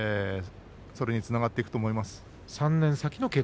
先につながっていくと思います。